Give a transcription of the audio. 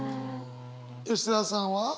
吉澤さんは？